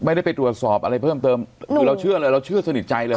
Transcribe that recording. ไม่ได้ไปตรวจสอบอะไรเพิ่มเติมคือเราเชื่อเลยเราเชื่อสนิทใจเลย